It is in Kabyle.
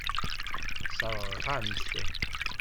Sseṛɣeɣ-am-t.